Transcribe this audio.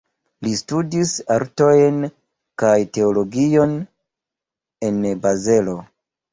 Li studis artojn kaj teologion en Bazelo.